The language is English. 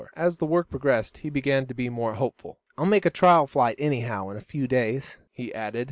As the work progressed, he began to be more hopeful. "I'll make a trial flight, anyhow, in a few days," he added.